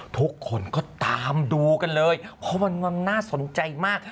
ทุกคนก็ตามดูกันเลยเพราะมันน่าสนใจมาก